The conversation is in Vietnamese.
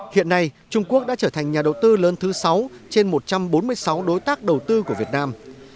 hiện nay trung quốc đã trở thành nhà đầu tư lớn thứ sáu trên một trăm bốn mươi sáu đối tác đầu tư của việt nam